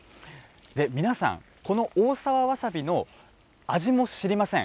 皆さん、この大沢わさびの味も知りません。